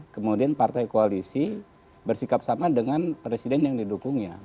kemudian partai koalisi bersikap sama dengan presiden yang didukungnya